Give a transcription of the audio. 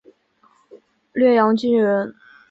略阳郡人。